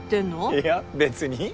いや別に。